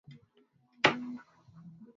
Alipoteza kazi mwezi jana